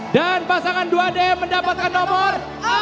dan pasangan dua d mendapatkan nomor empat